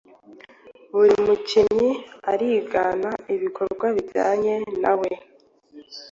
Buri mukinnyi arigana ibikorwa bijyanye na we